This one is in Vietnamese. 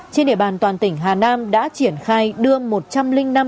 trên địa bàn toàn tỉnh hà nam đã triển khai đưa